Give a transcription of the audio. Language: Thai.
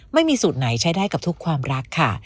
ไม่มีสูตรไหนใช้ได้กับทุกความรักค่ะ